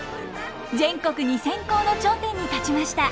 全国２，０００校の頂点に立ちました。